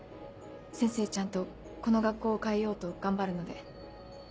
先生ちゃんとこの学校を変えようと頑張るので。